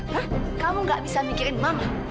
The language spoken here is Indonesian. hah kamu gak bisa mikirin mama